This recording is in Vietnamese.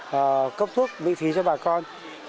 và cấp thuốc miễn phí cho bà con